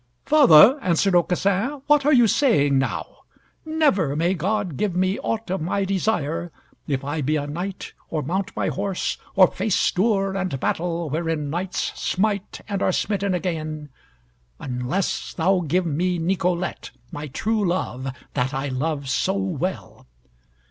"Father," answered Aucassin, "what are you saying now? Never may God give me aught of my desire, if I be a knight, or mount my horse, or face stour and battle wherein knights smite and are smitten again, unless thou give me Nicolette, my true love, that I love so well."